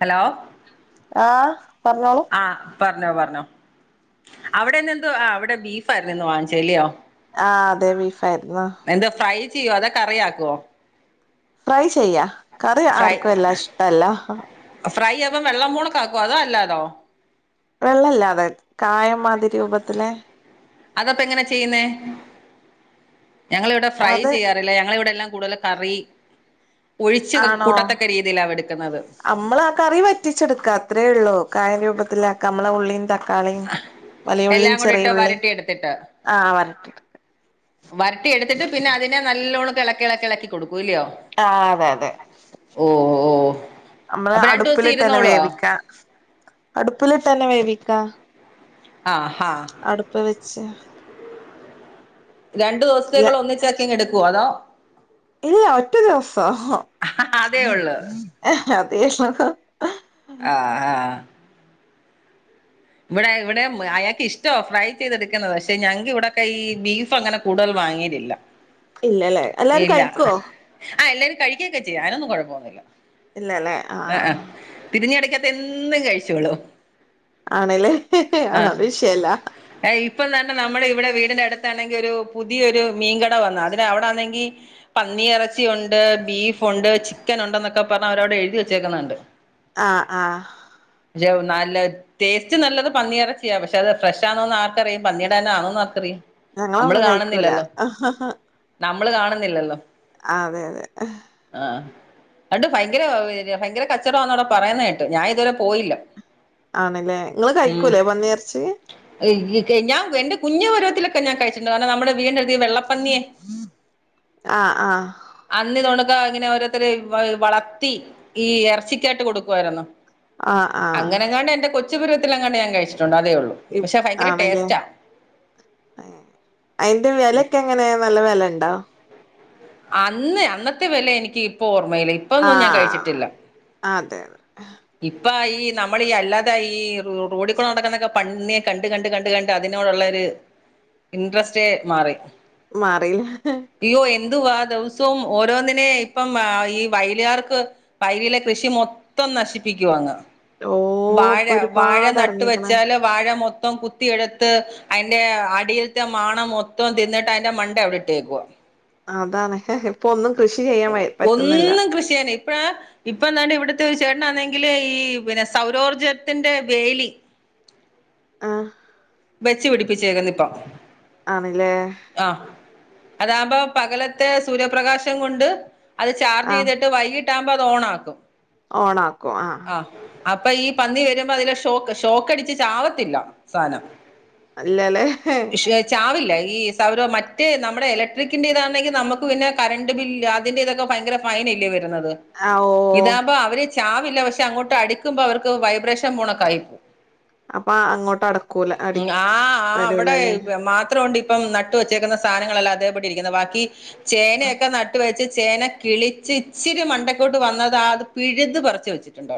Hello ആഹ് പർഞ്ഞോളൂ. ആഹ് പർഞ്ഞോ പർഞ്ഞോ അവടെ ഇന്ന് എന്തുവാ ആഹ് അവടെ ബീഫ് ആയിര്ന്ന് ഇന്ന് വാങ്ങിച്ചത് അല്ലയോ. ആഹ്, അതെ ബീഫായിരുന്നു എന്താ ഫ്രൈ ചെയ്യോ അതോ കറിയാക്കോ. ഫ്രൈ ചെയ്യാ കറി ഫ്രൈ ആർക്കുവല്ലാതെ ഇഷ്ടവല്ല. ഫ്രൈ ആക്കുമ്പൊ വെള്ളം പോണോക്കെ ആക്കോ അതോ അല്ലാതോ വെള്ളല്ലാഅതായത് കായംമാതിരി രൂപത്തില് അതപ്പ എങ്ങനെ ചെയ്യുന്നേ ഞങ്ങളിവിടെ ഫ്രൈ അത് ചെയ്യാ റില്ല ഞങ്ങളിവിടെ എല്ലാം കൂട്തല് കറി ഒഴിച്ച് കൂട്ടത്തക്ക രീതിയിലാണ് എട്ക്ക്ന്നത്. അമ്മളാ കറി വറ്റിച്ചെട്ക്കാ അത്രേ ഉള്ളൂ. കായം രൂപത്തിലാക്ക, അമ്മളെ ഉള്ളീം ത ക്കാളിം വലിയ ഉള്ളിം എല്ലാം കൂടി ഇട്ട് ചെറിയ ഉള്ളി വരട്ടി എടുത്തിട്ട് ആഹ് വരട്ടിയെട്ക്ക വരട്ടി എട്ത്തിട്ട് പിന്നെ അതിനെ നല്ലോണംക്കെ എളക്കി എളക്കി എളക്കി കൊടുക്കുല്ലിയോ ആഹ് അതെ അതെ ഓഹ് ഓഹ് നമ്മള് അടുപ്പിലിട്ട്ന്നെ വേവിക്ക അടുപ്പിലിട്ട് തന്നെ വേവിക്ക ആഹ് ഹാ അടുപ്പിൽ വെച്ച് രണ്ടു ഇല്ല ദിവസത്തേക്കുളളത് ഒന്നിച്ചാക്കിയങ്ങ് എടുക്കുവോ അതോ ഇല്ല ഒറ്റ ദിവസം അതേ ഉള്ളൂ അതേ [unintelligible] ആഹ് ആഹ് ഇവടെ ഇവടേം അയാക്ക് ഇഷ്ടവാ ഫ്രൈ ചെയ്തെട്ക്ക്ന്നത്. പക്ഷെ ഞങ്ങക്ക് ഇവിടെയൊക്കെ ഈ ബീഫ് അങ്ങനെ കൂടുതൽ വാങ്ങേലില്ല. ഇല്ലല്ലേ എല്ലാരും ഇല്ല. കഴിക്കോ ആഹ് എല്ലാരും കഴിക്ക്യോക്കെ ചെയ്യും. അതിനൊന്നും കൊഴപ്പമൊന്നുമില്ല. ഇല്ലല്ലേ ആഹ് ആഹ് തിരിഞ്ഞു കടിക്കാത്ത എന്തും കഴിച്ച് കൊള്ളു ആണ്ല്ലേ അത്‌ അത് വിഷയല്ല. ദാ ഇപ്പം തന്നെ നമ്മടെ ഇവിടെ വീടിൻ്റെ അട്ത്താണെങ്കി ഒരു പുതിയൊരു മീൻകട വന്നു. അതിന് അവിടാന്നെങ്കി പന്നിയെറച്ചി ഉണ്ട് ബീഫൊണ്ട് ചിക്കൻ ഉണ്ട് എന്നൊക്കെ പറഞ്ഞ് അവരവിടെ എഴുതി വെച്ചേക്ക്ന്നെ കണ്ട് ആഹ് ആഹ് ജോവ് നല്ലെ ടേസ്റ്റ് നല്ലത് പന്നിയെറച്ചിയാ. പക്ഷെ അത് ഫ്രഷ് ആണോന്ന് ആർ ക്കറിയാം പന്നീടെ തന്നെ ആണോന്ന് ആർക്കറിയും. നമ്മള് ഞങ്ങളതൊന്നും കഴിക്കൂല കാണുന്നില്ലല്ലോ! നമ്മള് കാണുന്നില്ലല്ലോ ആഹ് അതെ അതെ ഇഹ് ആഹ് എന്നിട്ട് ഭയങ്കരെ ഭയങ്കരെ കച്ചോടവാന്ന് അവ്ടെ പറയുന്നകേട്ട്. ഞാൻ ഇത് വരെ പോയില്ല. ആണ്ല്ലേ ഇങ്ങള് കഴിക്കൂല്ലേ പന്നിയിറച്ചി ഇല്ല്യ ക്കയ് ഞാൻ എന്റെ കുഞ്ഞു പരുവത്തിലൊക്കെ ഞാൻ കഴിച്ചിട്ടുണ്ട്. കാരണം നമ്മുടെ വീടിന്റെ അട് ത്ത് ഈ വെള്ളപ്പന്നിയെ ആഹ് ആഹ് അന്നിതു കൊണക്കെ ഇങ്ങനെ ഓരോരുത്തര് വളർത്തി ഈ എർച്ചിക്കായിട്ട് കൊടുക്കുവാര്ന്നു. ആഹ് ആഹ് അങ്ങനെങ്ങാണ്ട് എന്റെ കൊച്ചുപരുവത്തില് എങ്ങാണ്ട് ഞാൻ കഴിച്ചിട്ടുണ്ട്. അതേ ഉള്ളൂ. ഇത് പക്ഷെ ഭയങ്കര ആണല്ലേ? ടേസ്റ്റാ അതിന്റെ വിലയൊക്കെ എങ്ങനെയ? നല്ല വില ഉണ്ടോ? അന്ന്, അന്നത്തെ വില എനിക്ക് ഇപ്പോ ഓർമ്മയില്ല. ഇപ്പൊന്നും ഞാൻ ആഹ്! അതെതെ! നിപ്പയായി നമ്മടെ അല്ലാതെയായി റോഡിക്കുടെ നടക്കുന്ന പന്നിയെ കണ്ട കണ്ട് കണ്ട് അതിനോടുള്ളരു ഇൻട്രസ്റ്റേ മാറി. മാറി [inaudible] അയ്യോ എന്തുവാ ദിവസവും ഓരോന്നിനെ ഇപ്പം ഈ വയലുകാർക്ക്! വയലിലെ കൃഷി മൊത്തം നശിപ്പിക്കുവാങ്ങ്. ഓഹ് വാഴ ഇപ്പൊ വാഴ ഒരുപാട് നട്ട് എറങ്ങീക്ക്ണ് വെച്ചാല് വാഴ മൊത്തം കുത്തിയെടുത്ത്! അതിന്റെ അടിൽത്തെ മാണം മൊത്തം തിന്നിട്ട് അതിന്റെ മണ്ട അവിടെ ഇട്ടേക്കുവാ. അതാണ് ഇപ്പൊന്നും കൃഷി ചെയ്യാൻ പറ്റുന്നില്ല. കൃഷിയാണ്! ഇപ്പ ഇപ്പൊ ദാണ്ടിവിടുത്തെ ചേട്ടനാന്നെങ്കില് ഈ പിന്നെ സൗരോർജത്തിന്റെ വേലി! ആഹ്! വെച്ചു പിടിപ്പിച്ചേക്കുന്ന ഇപ്പം. ആണല്ലേ? ആഹ് അതാകുമ്പോ പകലത്തെ സൂര്യപ്രകാശം കൊണ്ട് അത് ചാർജ് ആഹ് ചെയ്തിട്ട് ചെയ്തിട്ട് വൈകിട്ട് ആക്മ്പോ അത് ഓണാക്കും ഓണാക്കും ആഹ് അപ്പൊ ഈ പന്നി വരുമ്പോ അതില ഷോക്ക് ഷോക്കടിച്ച് ചാവത്തില്ല സാധനം ഇല്ലല്ലേ ചാവില്ല ഈ സൗര മറ്റേ നമ്മുടെ ഇലക്ട്രിക്കിന്റെ ഇതാണെങ്കിൽ നമുക്ക് പിന്നെ കറണ്ട് ബില്ല് അതിന്റെ ഇതൊക്കെ ഭയങ്കര ഫൈൻ അല്ലേ വരുന്നത് ആ ഓ ഇതാകുമ്പോ അവര് ചാവില്ല പക്ഷെ അങ്ങോട്ട് അടിക്കുമ്പോ അവർക്ക് വൈബ്രേഷൻ പോണൊക്കെ ആയി പോവും അപ്പൊ അങ്ങോട്ട് അടക്കും ആഹ് ആഹ് അവിടെ മാത്രം ഉണ്ട് ഇപ് പ്പം നട്ട് വെച്ചേക്കുന്ന സാധനങ്ങളല്ല അതേപടിരിക്കുന്നത് ബാക്കി ചേനയൊക്കെ ന ട്ട് വെച്ച് ചേന കിളിച്ച് ഇച്ചിരി മണ്ടക്കോട്ട് വന്നത് അത് പിഴുത് പറച്ച് വെച്ചു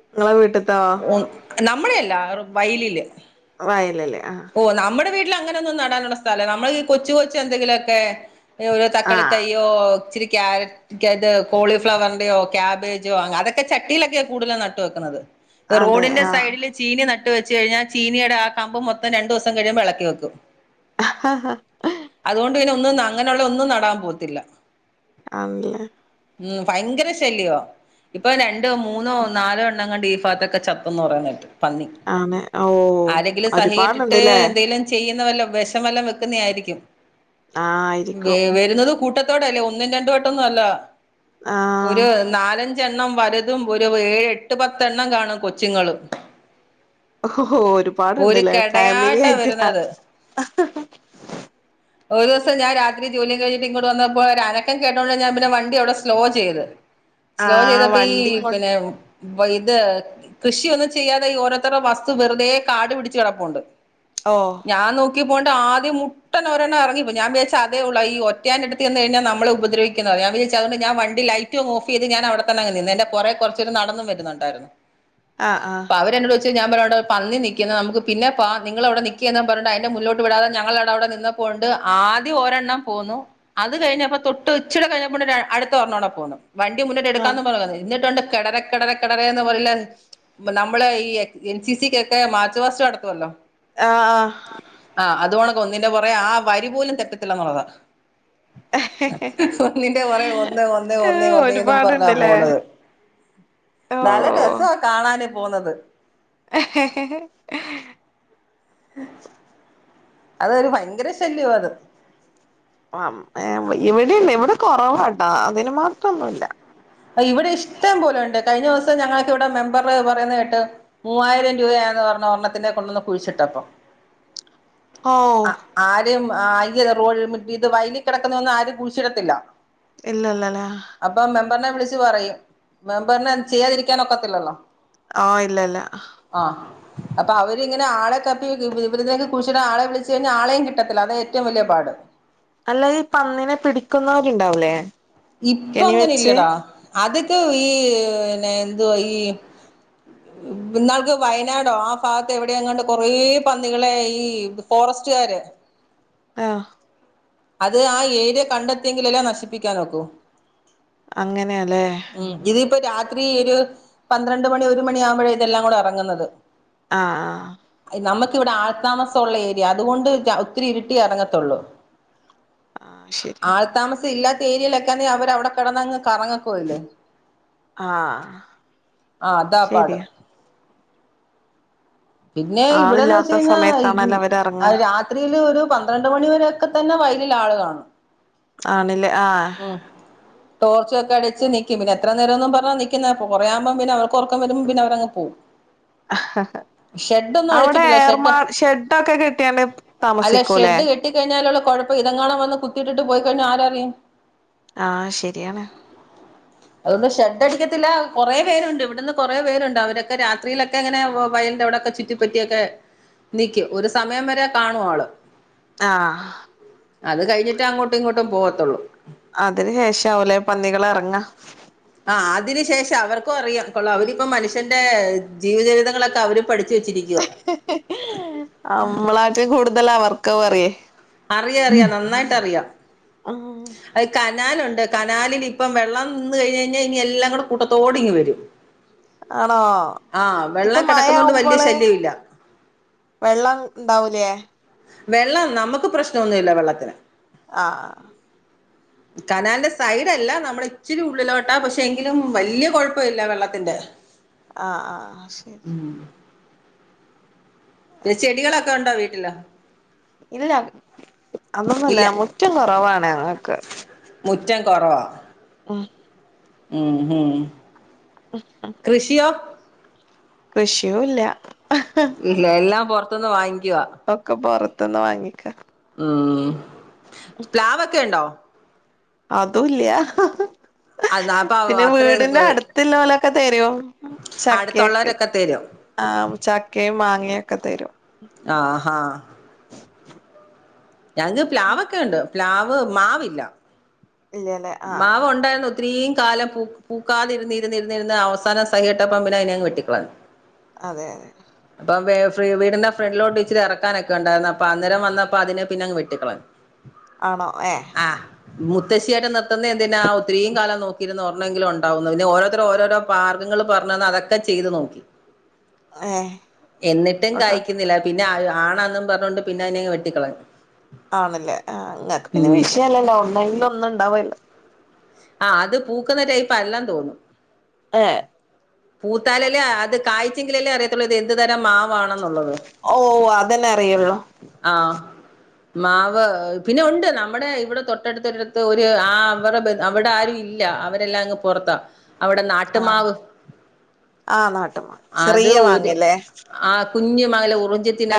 നിങ്ങളെ വീട്ടത്തോ [inaudible] നമ്മളെ അല്ല വയലില് വയലില് ആഹ് ഓ നമ്മുടെ വീട്ടിൽ അങ്ങനൊന്നും നടാനുള്ള സ്ഥലംല്ല നമ്മൾ ഈ കൊച്ചു കൊച്ച് എന്തെങ്കിലുമൊക്കെ ആ തക്കളി തൈ തയ്യോ ഇച്ചിരി ക്യാരക്ട ക്കത് കോളിഫ്ലവറിന്റെയോ കാബേജോ അതൊക്കെ ചട്ടിയിലൊക്കെയാണ് കൂടുതല നട്ട് വെക്കുന്നത് അതെ റോഡിന്റെ ആ സൈഡില് ചീനി നട്ട് വെച്ച് കഴിഞ്ഞാൽ ചീനിയുടെ കമ്പം മൊത്തം രണ്ടുവസം കഴിയുമ്പൾളക്കിവെക്കും ആഹ് ഹാ [inaudible] അതുകൊണ്ട് പിന്നെ ഒന്നും അങ്ങനെയുള്ള ഒന്നും നടാൻ പോകത്തില്ല ആണല്ലേ ഉം ഭയങ്കര ശല്യമാ ഇപ്പൊ രണ്ടോ മൂന്നോ നാലോ എണ്ണംങ്ങണ്ട് ഈ ഭാഗത്തൊക്കെ ചത്ത് ചത്തന്നു പറയണകെട്ടു പന്നി ആഹ് ഓ ആരെങ്കിലും സഹി കെട്ടിട്ട് ഒരുപാടുണ്ടല്ലേ എന്തെങ്കലും ചെയ്യുന്ന വല്ലോ വിഷം വെല്ലാം വെക്കുന്ന ആയിരിക്കും ആ ആയിരിക്കും വരുന്നത് കൂട്ടത്തോടെ അല്ലേ ഒന്നും രണ്ടു വട്ടംന്നും അല്ല ആഹ് ഒരു നാലഞ്ചെണ്ണം വലുതും ഒരു ഏഴ് എട്ട് പത്തെണ്ണം കാണും കൊച്ചുങ്ങള് ഓഹോ ഒരുപാട് ഒരു ഇണ്ട്ല്ലേ ഫാമിലി കെടയായിട്ടാ ആയിട്ടാ? വരുന്നത് ഒരു ദിവസം ഞാൻ രാത്രി ജോലിം കഴിഞ്ഞി ഇങ്ങോട്ട് വന്നപ്പോ ഒരനക്കം കേട്ടോണ്ട് ഞാ പിന്നെ വണ്ടി അവിടെ സ്ലോ ചെയ്ത് ആ സ്ലോ ചെയ്തപ്പം ഈ വണ്ടി കൊ പിന്നെ ഇത് കൃഷിയൊന്നും ചെയ്യാതെ ഈ ഓരോത്തരുടെ വസ്തു വെറുതേ കാട് പിടിച്ച് കെടപ്പുണ്ട് ഓഹ് ഞാൻ നോക്കിയപ്പം ഒണ്ട് ആദ്യം മുട്ടനൊരെണ്ണം എറങ്ങിപ്പോയി ഞാൻ വിചാരിച്ചു അതേയൊള്ളു ഈ ഒറ്റയാൻ എടുത്ത് ചെന്ന് കഴിഞ്ഞാ നമ്മളെ ഉപദ്രവിക്കുന്നത് അപ്പൊ ഞാൻ വിചാരി അതുകൊണ്ട് ഞാൻ വണ്ടി ലൈറ്റും അങ്ങ് ഓഫ് ചെയ്ത് ഞാൻ അവിടെ തന്നെയങ്ങ് നിന്ന് എന്റെ പൊറകെ കുറച്ച് പേര് നടന്നും വരുന്നുണ്ടായിരുന്നു ആ ആ അപ്പ അവര് എന്നോട് ചോദിച്ചു ഞാൻ പറഞ്ഞു അവിടൊരു പന്നി നി നിക്കുന്നത് നമുക്ക് പിന്നെ പോവാം നിങ്ങള് അവിടെ നിക്ക്യെന്നും പറഞ്ഞുണ്ട് അതിന്റെ മുന്നിലോട്ട് വിടാതെ ഞങ്ങള് അവി അവിടെ നിന്നപ്പോ ഉണ്ട് ആദ്യ ഒരെണ്ണം പോന്നു അത് കഴിഞ്ഞപ്പോ തൊട്ട് ഇച്ചിരിടെ കഴിഞ്ഞപ്പോ അടുത്ത ഒരണ്ണോടെ പോന്നു വണ്ടി മുന്നോട്ട് ആ എടുക്കാന്ന് പറുയുന്നു എന്നിട്ടുണ്ട് കിട രെ കെടരേന്ന് പറയില്ല നമ്മള് ഈ എൻ സി. സി. കെക്കെ മാർച്ച് വാസ്റ്റ് നടത്തുവല്ലോ? ആഹ് ആഹ് ആഹ് അതു കണക്ക് ഒന്നിന്റെ പൊറകെ ആ വരി പോലും തെറ്റത്തില്ലന്നുള്ളതാ ഒന്നിന്റെ പൊറകെ ഒന്ന് ഒന്ന് ആ ഒന്ന് ഒന്നേന്നും പറഞ്ഞാ ഒരുപാടുണ്ടല്ലേ പോണത് നല്ല രസവാ കാണാന് പോകുന്നത് ആഹ ഉം അതൊരു ഭയങ്കര ശല്യവ അത് ആഹ് ഇവിടെണ്ട് ഇവിടെ കൊറവാട്ടോ അതിനും മാത്രം ഒന്നുല്ല ആ ഇവിടെ ഇഷ്ട്ടം പോലെയുണ്ട് കഴിഞ്ഞ ദിവസം ഞങ്ങക്ക് ഇവടെ മെമ്പറ് പറയുന്ന കേട്ടു മൂവായിരം രൂപയാന്ന് പറഞ്ഞു ഒരണ്ണത്തിനെ കൊണ്ടന്ന് കുഴിച്ചിട്ടപ്പം ഓഹോ ആ ആരും [unintelligible] ഇത് വയലി കെടക്കുന്ന ഒന്നും ആരും കുയിച്ചിടത്തില്ല ഇല്ല ല്ലല്ലേ? അപ്പം മെമ്പറിനെ വിളിച്ച് പറയും മെമ്പറിന് അത് ചെയ്യാതിരിക്കാനൊക്കത്തില്ലല്ലോ ആഹ് ഇല്ല ഇല്ല ആഹ് അപ്പൊ അവരിങ്ങനെ ആളെ തപ്പി ഇതിനെയെക്കെ കൂയിച്ചിടാൻ ആളെ വിളിച്ചഴിഞ്ഞാ ആളെയും കിട്ടത്തില്ല അതാ ഏറ്റവും വല്യ പാട് അല്ല ഈ പന്നിനെ പിടിക്ക്ന്നോല് ഇണ്ടാവുലേ? ഇപ്പൊ അങ്ങനെയില്ലടാ അതൊക്കെ ഈ പിന്നെ എന്തുവാ ഈ ഇന്നാൾക്ക് വയനാടോ ആ ഭാഗത്ത് എവിടെയോ എങ്ങാണ്ട് കൊറേ പന്നികളെ ഈ ഫോറസ്റ്റുകാര് ആഹ് അത് ആഹ് ഏരിയ കണ്ടെത്തി എങ്കിലല്ലെ നശിപ്പിക്കാനൊക്കൂ അങ്ങനെയാല്ലേ? ഉം ഇതിപ്പോ ഈ രാത്രി ഒരു പന്ത്രണ്ട് മണി ഒരു മണിയാവുമ്പഴേ ഇതെല്ലാം കൂടെ എറങ്ങുന്നത് ആഹ് നമ്മക്കിവിടെ ആൾ താമസമുള്ള ഏരിയ അതുകൊണ്ട് ഒത്തിരി ഇരിട്ടിയ എറങ്ങത്തൊള്ളൂ ആഹ് അഹ്ശരി ആൾ താമസം ഇല്ലാത്ത ഏരിയെലക്കാന്നെ അവരവിടെ കെടന്നങ് കറങ്ങ പോയില്ലേ ആ ആഹ് അതാപ്പാട് ശരിയാ പിന്നെ ഇവിടെന്ന് ആളില്ലാത്ത വെച്ച് സമയത്താണല്ലോ അവര് എറങ്ങ കഴിഞ്ഞാ രാ ത്രിഴിൽ ഒരു പന്ത്രണ്ട് മണിവരൊക്കെ തന്നെ വയലിലാൾ കാണും ആണിലേ ആഹ് ഉം ടോർച്ചോക്കെ അടിച്ച് നിക്കും പിന്നെ എത്ര നേരോന്നും പറഞ്ഞാ നിക്കുന്നെ പ്പൊ കൊറയാവുമ്പോം പിന്നെ അവർക്കോറക്കം വരുമ്പം പിന്നെ അവരങ് പോവും ഷെഡൊന്നും അവിടെ അഴിച്ചിട്ടില്ല ഷെഡ് ഏർമാ ഷെഡൊക്കെ കെട്ടിയാണ്ട് താമസിക്കൂലേ കെട്ടികഴിഞ്ഞാലുള്ള കുഴപ്പം ഇതങ്ങാണം വന്ന് കുത്തിട്ടിട്ട് പോയി കഴിഞ്ഞാ ആരറിയാൻ ആഹ് ശെരിയാണ് അതുകൊണ്ട് ഷെഡടിക്കത്തില്ല കൊറെ പേരുണ്ട് ഇവിടുന്ന് കൊറേ പേരുണ്ട് അവരൊക്കെ രാത്രിയിലൊക്കെങ്ങനെ വയൽ ന്റവിടെക്കെ ചുറ്റി പറ്റിയൊക്കെ നിക്കും ഒരു സമയം വരെ കാണുആള് ആഹ് അത് കഴിഞ്ഞിട്ടെ അങ്ങോട്ടും ഇങ്ങോട്ടും പോകത്തുള്ളൂ അതിന് ശേഷാവൂലെ പന്നികളെറങ്ങ ആഹ് അതിന് ശേഷവർക്കും അറിയാം കൊള്ള അവരിപ്പം മനുഷ്യന്റെ ജീവജീവിതങ്ങളൊക്കെ അവര് പഠിച്ച് വെച്ചിരിക്ക നമ്മളാട്ടും കൂടുതൽ അവർക്ക അറിയേ അറിയറിയാ നന്നായിട്ടറിയാം അത് കനാലുണ്ട് കനാലിലിപ്പം വെള്ളം നിന്ന് കഴിഞ്ഞയ്ഞ്ഞാ ഇനി എല്ലാം കൂടെ കൂട്ടത്തോടിങ്ങിവരും ആണോ ഇപ്പൊ വെള്ളം മഴ കിടക്കുന്നോണ്ട് വലിയ ആവുമ്പോള് ശല്യമില്ല വെള്ളം ഉണ്ടാവൂലേ വെള്ളം നമുക്ക് പ്രശ്നോന്നുല്ല വെള്ളത്തിന് ആഹ് കനാല്ന്റെ സൈഡല്ല നമ്മള് ഇച്ചിരി ഉള്ളിലോട്ട പക്ഷെ എങ്കിലും വല്യ കൊഴപ്പവില്ല വെള്ളത്തിന്റെ ആഹ് ആഹ് ആഹ് ശരി ഉം പിന്നെ ചെടികളൊക്കെ ഉണ്ടോ വീട്ടിൽ ഇല്ല അതൊന്നല്ല മുറ്റും കുറവാണ് ഞങ്ങൾക്ക് മുറ്റം കുറവാ ആഹ് ഉം ഉം കൃഷിയോ കൃഷിയൂല്ല ഇല്ല എല്ലാം പറത്തുനിന്ന് വാങ്ങിക്കുവ ഒക്കെ പുറത്തുന്ന് വാങ്ങിക്ക ഉം പ്ലാവ്ക്കെ ഉണ്ടോ അതുംല്ല അത് അപ്പൊ പിന്നെ അത്ര വീടിന്റെ അടുത്ത്ള്ള ഓ ലൊക്കെ തരും ചക്കൊക്കെ അടുത്തുള്ളവരൊക്കെ തരും ആഹ് ചക്കയും മാങ്ങയും ഒക്കെ തരും ആഹ ഞങ്ങക്ക് പ്ലാവ ഒക്കെ ഉണ്ട് പ്ലാവ് മാവില്ല ഇല്ലല്ലേ ആഹ് മാവ് ഉണ്ടായിന്ന് ഇത്രയും കാലം പൂക്കാതിരിരുന്ന അവസാന സഹി കെട്ടപ്പോ അതിനങ് വെട്ടിക്കളഞ്ഞു അതെ അതെ അപ്പം വീടിന്റെ ഫ്രണ്ടിലോട്ട് ഇച്ചിരി ഇറക്കാനൊക്കെ ഉണ്ടായിരുന്നു അപ്പൊ അന്നേരം വന്നപ്പോ അതിന് പിന്നങ്ങ് വെട്ടിക്കളയും ആണോ ഏ ആഹ് മുത്ത്ശിയായിട്ട് നിത്തുന്ന എന്തിന ഒത്തിരി യും കാലം നോക്കിരന്ന് ഓരെണെങ്കിലും ഉണ്ടാവൊന്ന് പിന്നെ ഓരോരുത്തര് ഓരോരോ മാർഗങ്ങൾ പറഞ്ഞന്ന് അതൊക്കെ ചെയ്ത് നോക്കി ഏഹ് എന്നിട്ടും ഒട്ടും കായ്ക്കുന്നില്ല പിന്നെ ആണന്നും പറഞ്ഞോണ്ട് പിന്നെ അതിനെങ് വെട്ടിക്കളഞ് ആണല്ലേ ആ അങ്ങക്ക് പിന്നെ ഉം വിഷയല്ലല്ലോ ഒന്നെങ്കിൽഒന്ന് ഉണ്ടാവല്ലോ ആ അത് പൂക്കുന്ന ടൈപ്പ് അല്ലെന്ന് തോനുന്നു ഏ പൂത്താലല്ലേ അത് കാായ്ചെങ്കിലല്ലേ അറിയത്തുള്ളൂ ഇത് എന്ത് തരം മാവാണെന്നുള്ളത് ഓ ഓ അതന്നെ അറിയുള്ളൂ ആഹ് മാവ് പിന്നെ ഉണ്ട് നമ്മുടെ ഇവിടെ തൊട്ടടുത്തൊരിടുത്ത് ഒരു ആ അവടെ അവിടെ ആരും ഇ ല്ല അവരെല്ലാം അങ്ങ് പൊറത്താ അവിടെ ആ നാട്ടുമാവ് ആ നാട്ടു മാങ്ങ അത് ചെറിയ ഒര് മാങ്ങല്ലേ ആ കുഞ്ഞുമാങ്ങ ല്ലെ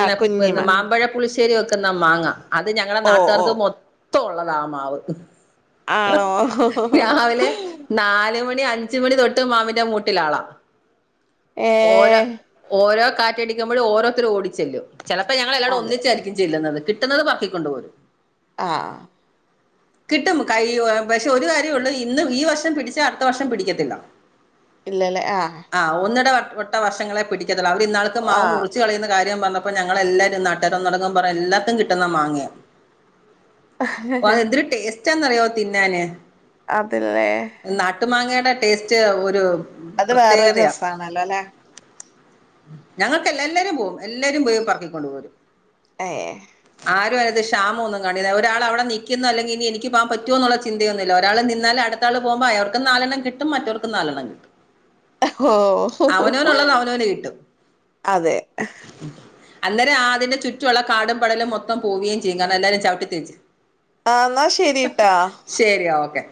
ആ കുഞ്ഞി പിന്നെ മാങ്ങ മാമ്പഴ പുളിശേരിവെക്കുന്ന മാങ്ങ അത് ഞങ്ങളെ ഓ ഓ നാട്ടുകാർക്ക് മൊത്തം ഒള്ളതാമാവ് ആണോ രാവിലെ നാലുമണി അഞ്ച് മണി തൊട്ട് മാവിന്റെ മൂട്ടിലാളാ ഏ ഓരോ ഓരോ കാറ്റടിക്കുമ്പോഴും ഓരോരുത്തര് ഓടിച്ചെല്ലും ചിലപ്പോ ഞങ്ങൾ എല്ലാടും അതെ ഒന്നിച്ച യിരിക്കും ചെല്ലുന്നത് കിട്ടുന്നത് പെറക്കി കൊണ്ട് പോരും ആഹ് കിട്ടും കൈ പക്ഷെ ഒരു കാര്യേഒള്ളൂ ഇന്ന് ഈ വർഷം പിടിച്ചാ അടുത്ത വർഷം പിടിക്കത്തില്ല ഇല്ലല്ലേ ആ ആ ഹ് ഒന്നിട വട്ട വെട്ട വർഷങ്ങളെ പിടിക്കത്തൊള്ള് അവർ ഇന്നാൾക്ക് ആ മാവ് മുറിച്ച് കളയുന്ന കാര്യം പറഞ്ഞപ്പോൾ ഞങ്ങളെല്ലാരും [unintelligible] തൊടങ്ങുമ്പം പറയുന്നേ എല്ലാർക്കും കിട്ടുന്ന മാങ്ങയാ അതെന്തൊരു ടേസ് റ്റാന്നറിയോ തിന്നാന് അതില്ലേ നാട്ടുമാങ്ങയുടെ ടേസ്റ്റ് ഒരു അത് വേറൊരു പ്രത്യേകതയാ രസാണല്ലോ അല്ലെ ഞങ്ങൾക്ക് എല്ല എല്ലാരും പോവും എല്ലാരും പോയി പറക്കിക്കൊണ്ട് പോരും ഏ ആരും അത് ക്ഷാമം ഒന്നും കാണില്ല ഒരാൾ അവിടെ നിക്കക്കുന്നു അല്ലെങ്കിൽ ഇനി എനിക്ക് പോകൻ പറ്റോന്നുള്ള ചിന്തയൊന്നുമില്ല ഒരാള് നിന്നാലടു ത്താള് പോകുമ്പോ അവർക്കും നാലെണ്ണം കിട്ടും മറ്റവർക്കും നാലെണ്ണം കിട്ടും ഓ അവനവനുള്ളത് അവനവന് കിട്ടും അതെ അന്നേരം ആഹ് അതിന്റെ ചുറ്റുവൊള്ള കാടും പടലും മൊത്തം പോവുകയും ചെയ്യും കാരണം എല്ലാരും ചവിട്ടിത്തേച്ച് ആഹ് എന്നാ ശരിട്ടാ ശരി ഓക്കെ